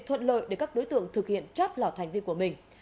thuận lợi để các đối tượng thực hiện chót lọt hành vi của mình